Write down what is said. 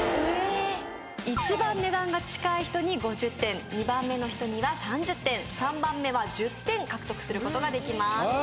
一番値段が近い人に５０点２番目の人には３０点３番目は１０点獲得することができます